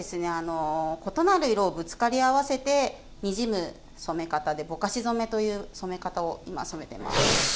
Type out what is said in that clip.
異なる色をぶつかり合わせてにじむ染め方でぼかし染めという染め方を今染めています。